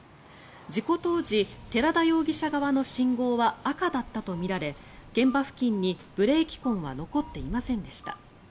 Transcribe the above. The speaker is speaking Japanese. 事故当時、寺田容疑者側の信号は赤だったとみられ現場付近にブレーキ痕は残っていませんでした。